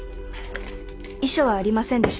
遺書はありませんでした。